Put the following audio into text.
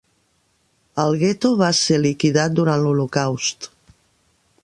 El gueto va ser liquidat durant l'Holocaust.